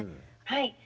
はい。